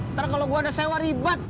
ntar kalau gue ada sewa ribet